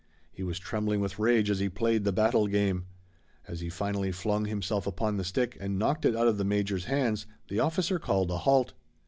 He was trembling with rage as he played the battle game. As he finally flung himself upon the stick and knocked it out of the major's hands the officer called a halt.